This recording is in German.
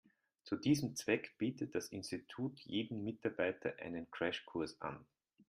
Zu diesem Zweck bietet das Institut jedem Mitarbeiter einen Crashkurs an.